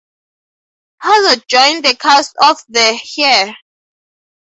Hazzard joined the cast of the here!